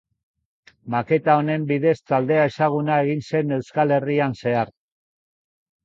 Maketa honen bidez taldea ezaguna egin zen Euskal Herrian zehar.